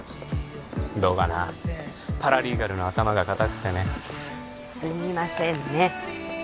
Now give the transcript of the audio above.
どうかなパラリーガルの頭がカタくてねすみませんね